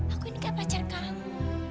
aku ingin kayak pacar kamu